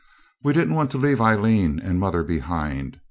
We didn't want to leave Aileen and mother behind.